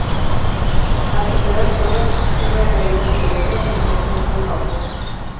Al superar todas, Shiva atraído hacia ella, le concede un favor.